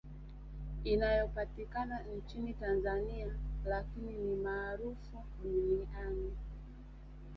Inayopatikana nchini Tanzania lakini ni maarufu duniani